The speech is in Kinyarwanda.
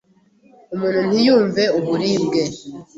umuntu ntiyumve uburibwe,